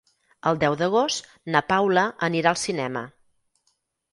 El deu d'agost na Paula anirà al cinema.